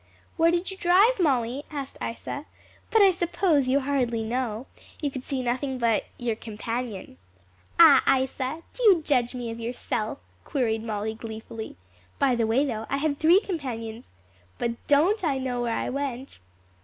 "Where did you drive, Molly?" asked Isa. "But I suppose you hardly know; you could see nothing but your companion?" "Ah, Isa, do you judge of me by yourself?" queried Molly gleefully. "By the way, though, I had three companions. But don't I know where I went?"